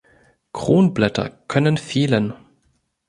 Kronblätter können fehlen.